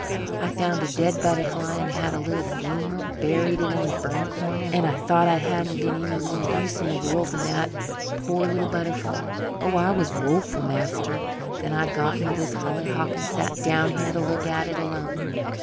I found a dead butterfly and had a little funeral buried it in the fern corner. And I thought I hadn't been any more use in the world than that poor little butterfly. Oh, I was woeful, master. Then I got me this hollyhock and sat down here to look at it alone.